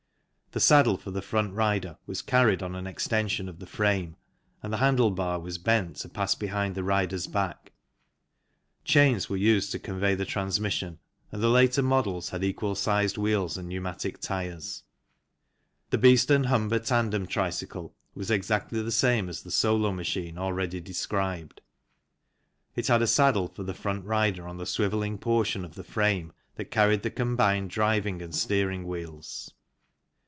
The saddle for the front rider was carried on an extension of the frame and the handle bar was bent to pass behind the rider's back. Chains were used to convey the transmission THE TRICYCLE ERA 23 and the later models had equal sized wheels and pneu matic tyres. The Beeston Humber tandem tricycle was exactly the same as the solo machine already described; it had a saddle for the front rider on the swivelling portion of the frame that carried the combined FIG. 12 driving and steering wheels.